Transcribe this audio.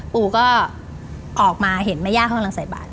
ปู่ก็ออกมาเห็นแม่ย่าเขากำลังใส่บาท